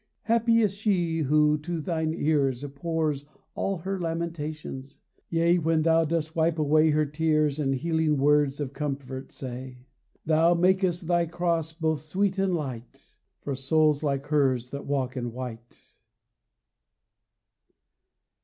42 FLOWER OF YOUTH Happy is she who to Thine ears Pours all her lamentations 1 Yea, When Thou dost wipe away her tears And healing words of comfort say. Thou makest Thy Cross both sweet and light For souls like hers that walk in white.